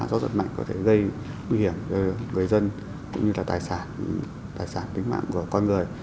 gió giật mạnh có thể gây nguy hiểm cho người dân cũng như là tài sản tài sản tính mạng của con người